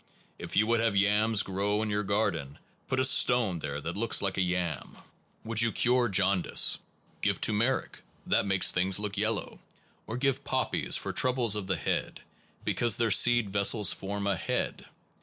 If you would have yams grow well in your garden, put a stone there that looks like a yam. Would 17 SOME PROBLEMS OF PHILOSOPHY you cure jaundice, give tumeric, that makes things look yellow; or give poppies for troubles of the head, because their seed vessels form a head.